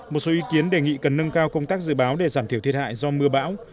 một số ý kiến đề nghị cần nâng cao công tác dự báo để giảm thiểu thiệt hại do mưa bão